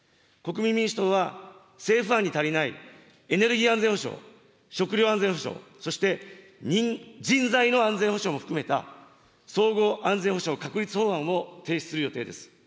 国民民主党は政府案に足りないエネルギー安全保障、食料安全保障、そして人材の安全保障も含めた、総合安全保障確立法案を提出する予定です。